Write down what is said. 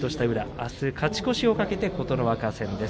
あす勝ち越しを懸けて琴ノ若戦です。